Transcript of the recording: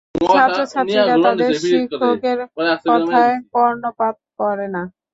ছাত্রছাত্রীরা তাদের শিক্ষকের কথায় কর্ণপাত করে না।